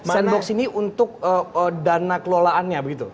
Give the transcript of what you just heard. sandbox ini untuk dana kelolaannya begitu